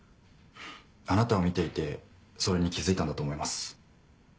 あなたを見ていてそれに気付いたんだと思います。